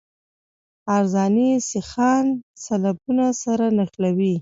عرضاني سیخان سلبونه سره نښلوي